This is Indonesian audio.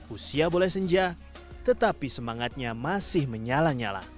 usia boleh senja tetapi semangatnya masih menyala nyala